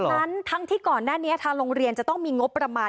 เพราะฉะนั้นทั้งที่ก่อนแน่นี้ทางโรงเรียนจะต้องมีงบประมาณ